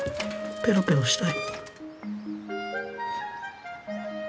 ペロペロしてぇ！